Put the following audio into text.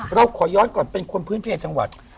เราขอย้อนก่อนเป็นคนพื้นเพลจังหวัด